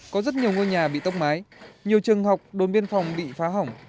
có rất nhiều ngôi nhà bị tốc mái nhiều trường học đồn biên phòng bị phá hỏng